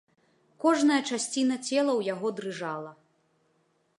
Кожная часціна цела ў яго дрыжала.